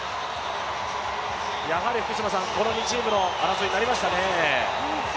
やはりこの２チームの争いになりましたね。